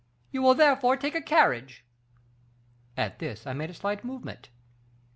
You will therefore take a carriage.' At this I made a slight movement.